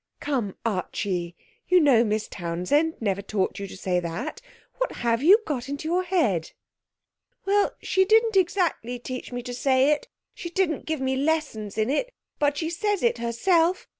'Come, Archie, you know Miss Townsend never taught you to say that. What have you got into your head?' 'Well, she didn't exactly teach me to say it she didn't give me lessons in it but she says it herself.